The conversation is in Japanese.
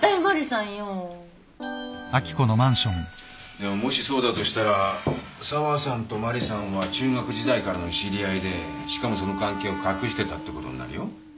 でももしそうだとしたら沢さんとマリさんは中学時代からの知り合いでしかもその関係を隠してたってことになるよ。